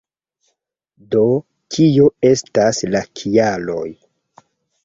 Do, kio estas la kialoj